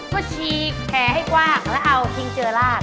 ก็ฉีกแผลให้กว้างแล้วเอาคิงเจอราด